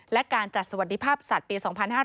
และการจัดสวัสดิภาพสัตว์ปี๒๕๕๙